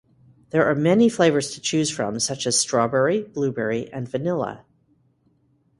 There are many flavors to choose from, such as strawberry, blueberry, and vanilla.